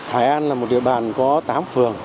hải an là một địa bàn có tám phường